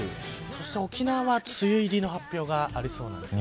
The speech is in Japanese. そして沖縄は梅雨入りの発表がありそうです。